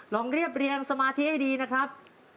เรียบเรียงสมาธิให้ดีนะครับ